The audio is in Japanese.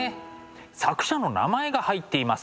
作者の名前が入っています。